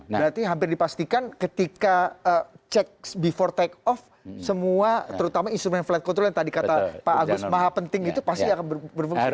berarti hampir dipastikan ketika cek before take off semua terutama instrumen flight control yang tadi kata pak agus maha penting itu pasti akan berfungsi